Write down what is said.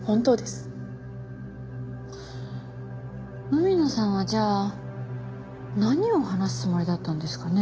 海野さんはじゃあ何を話すつもりだったんですかね？